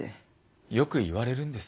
よく言われるんです。